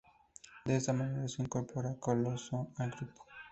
De esta manera se incorpora Coloso al grupo.